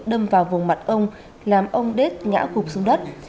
đâm vào vùng mặt ông làm ông đết ngã gục xuống đất